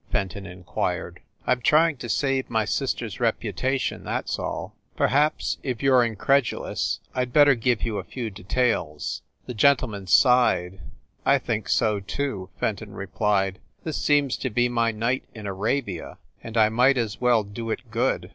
Fenton inquired. "I m trying to save my sister s reputation, that s all. Perhaps, if you re incredulous, I d better give you a few details." The gentleman sighed. "I think so, too," Fenton replied, "this seems to be my night in Arabia, and I might as well do it good.